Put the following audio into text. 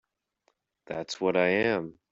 That's what I am.